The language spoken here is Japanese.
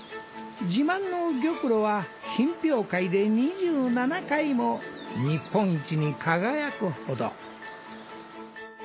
自慢の玉露は品評会で２７回も日本一に輝くほど。